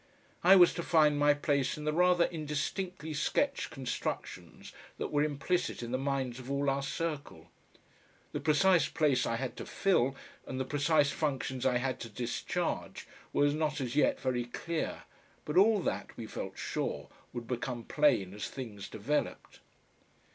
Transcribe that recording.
I was to find my place in the rather indistinctly sketched constructions that were implicit in the minds of all our circle. The precise place I had to fill and the precise functions I had to discharge were not as yet very clear, but all that, we felt sure, would become plain as things developed.